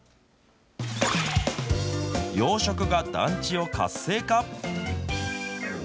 養殖が団地を活性化？